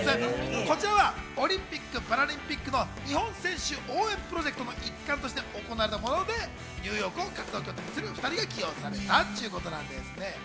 こちらはオリンピック・パラリンピックの日本選手応援プロジェクトの一環として行われたもので、ニューヨークを活動拠点にする２人が起用されたってことです。